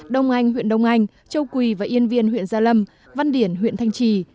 đông anh huyện đông anh châu quỳ và yên viên huyện gia lâm văn điển huyện thanh trì